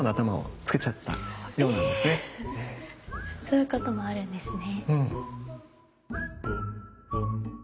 そういうこともあるんですね。